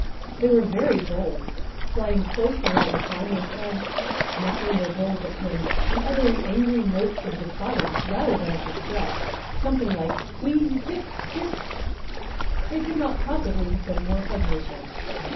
They were very bold, flying close around the climber's head, snapping their bills at him, and uttering angry notes of defiance rather than of distress, something like "puy pip pip." They could not possibly have been more pugnacious.